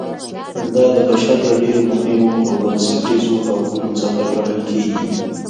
دا د بشر له ډېرو مهمو او بنسټیزو حقونو څخه ګڼل کیږي.